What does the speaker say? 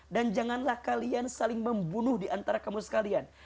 dan janganlah kalian saling membunuh diantara kamu sekalian